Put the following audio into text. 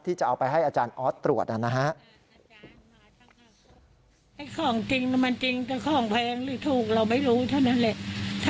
ที่จะเอาไปให้อาจารย์ออสตรวจนะฮะ